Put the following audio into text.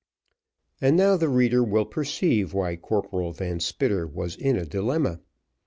] And now the reader will perceive why Corporal Van Spitter was in a dilemma.